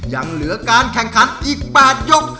ยังเหลือการแข่งขันอีก๘ยก